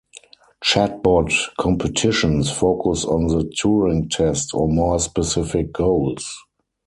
Chatbot competitions focus on the Turing test or more specific goals.